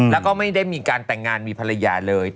แล้วก็ไม่ได้มีการแต่งงานมีภรรยาเลย